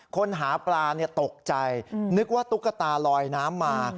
คนหาปลาตกใจนึกว่าตุ๊กตาลอยน้ำมา